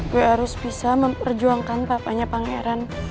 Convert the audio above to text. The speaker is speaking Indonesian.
gue harus bisa memperjuangkan papanya pangeran